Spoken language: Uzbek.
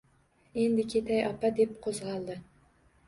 Endi ketay, opa, — deb qo'zg'aldi.